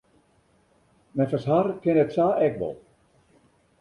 Neffens har kin it sa ek wol.